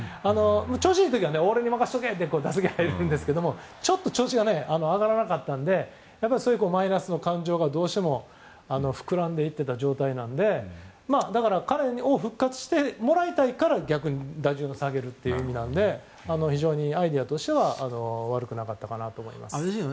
調子いい時は俺に任せとけって打席に入るんですけどちょっと調子が上がらなかったのでマイナスの感情がどうしても膨らんでいっていた状態なので彼に復活してもらいたいから逆に打順を下げる意味なので非常にアイデアとしては悪くなかったかなと思います。